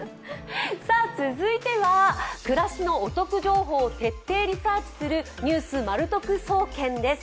続いては暮らしのお得情報を徹底リサーチする「ニュースまる得総研」です。